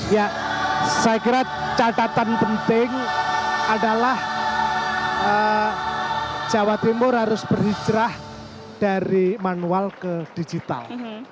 ya saya kira catatan penting adalah jawa timur harus berhijrah dari manual ke digital